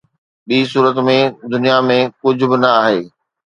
ٻي صورت ۾، دنيا ۾ ڪجهه به نه آهي